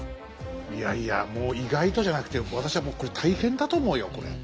いやいやもう意外とじゃなくて私はこれ大変だよと思うよこれ。